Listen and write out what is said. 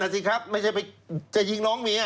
สิครับไม่ใช่ไปจะยิงน้องเมีย